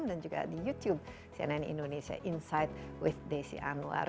dan juga di youtube cnn indonesia insight with desi anwar